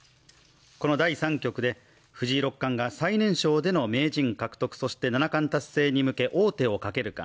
この第３局で藤井六冠が最年少での名人獲得、そして七冠達成に向け王手をかけるか、